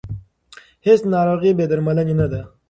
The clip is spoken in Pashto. هیڅ ناروغي بې درملنې نه ده.